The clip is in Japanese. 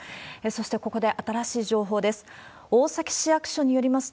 そしてここで新しい情報です。